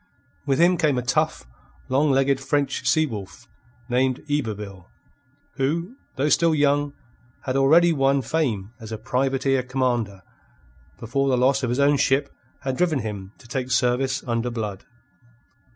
With him came a tough, long legged French sea wolf named Yberville, who, though still young, had already won fame as a privateer commander before the loss of his own ship had driven him to take service under Blood.